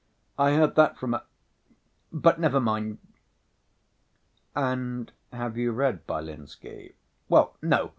I heard that from a ... but never mind." "And have you read Byelinsky?" "Well, no